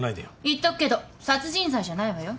言っとくけど殺人罪じゃないわよ。